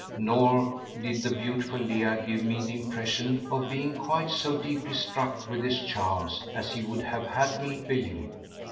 Nor did the beautiful Leah give me the impression of being quite so deeply struck with his charms as he would have had me believe.